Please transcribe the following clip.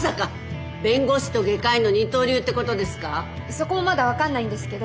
そこもまだ分かんないんですけど